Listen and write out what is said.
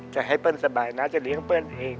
จะให้เปิ้ลสบายนะจะเลี้ยงเปิ้ลเอง